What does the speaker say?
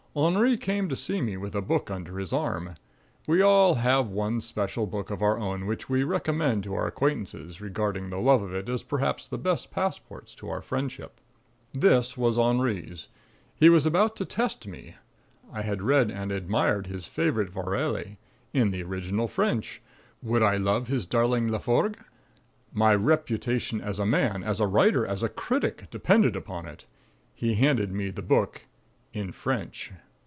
Henri came to see me with a book under his arm. We all have one special book of our own which we recommend to our acquaintances, regarding the love of it as perhaps the best passport to our friendship. This was Henri's. He was about to test me. I had read and admired his favourite Vaurelle in the original French. Would I love his darling Laforgue? My reputation as a man, as a writer, as a critic, depended on it. He handed me the book in French.